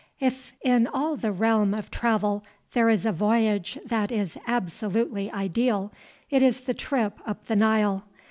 If in all the realm of travel there is a voyage that is absolutely ideal, it is the trip up the Nile.